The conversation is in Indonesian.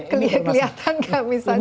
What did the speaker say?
kelihatan gak misalnya lebih lajin untuk